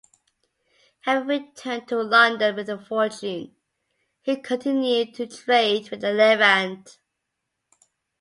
Having returned to London with a fortune, he continued to trade with the Levant.